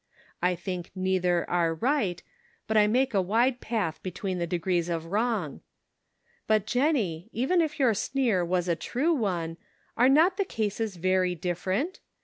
I think neither are right, but I make a wide path between the degrees of wrong. But, Jennie, even if your sneer was a true one, are not the cases very different?